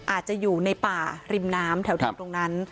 อาจจะอยู่ในป่าริมน้ำแถวตรงนั้น